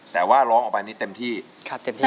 แต่ว่าร้องออกไปแต่ว่านี้เต็มที่